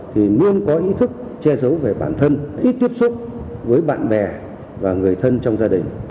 thì luôn có ý thức che giấu về bản thân ít tiếp xúc với bạn bè và người thân trong gia đình